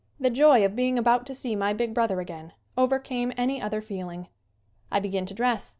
The joy of being about to see my big brother again overcame any other feeling. I begin to dress.